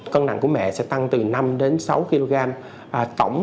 cân nặng của mẹ sẽ tăng từ năm đến sáu kg tổng